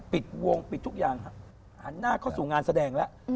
ปิดวงปิดทุกอย่างหันหน้าเข้าสู่งานแสดงแล้ว